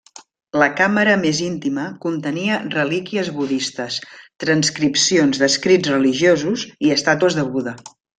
La càmera més íntima contenia relíquies budistes, transcripcions d'escrits religiosos i estàtues de Buda.